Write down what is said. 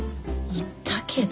言ったけど。